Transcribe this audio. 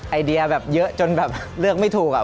ไอเดียแบบเยอะจนแบบเลือกไม่ถูกอะ